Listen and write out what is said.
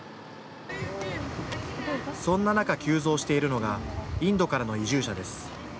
そんな中、急増しているのがインドからの移住者です。